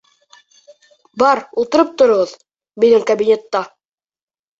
Бар, ултырып тороғоҙ минең кабинетта.